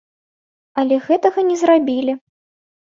Але гэтага не зрабілі.